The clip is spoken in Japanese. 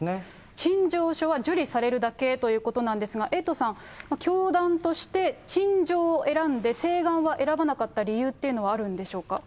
陳情書は受理されるだけということなんですが、エイトさん、教団として、陳情を選んで、請願は選ばなかった理由というのはあるんでしょうか。